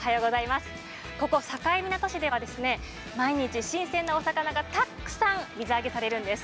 ここ境港市では毎日、新鮮なお魚がたくさん水揚げされているんです。